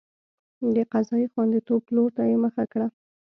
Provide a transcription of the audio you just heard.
د قضایي خوندیتوب پلور ته یې مخه کړه.